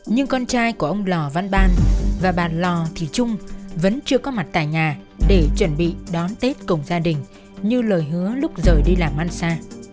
nhưng con trai của ông lò văn ban và bà lò thị trung vẫn chưa có mặt tại nhà để chuẩn bị đón tết cùng gia đình như lời hứa lúc rời đi làm ăn xa